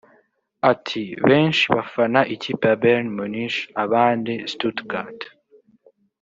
Ati” Benshi bafana ikipe ya Bayern Munich abandi Stuttgart